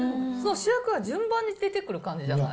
主役が順番に出てくる感じじゃない？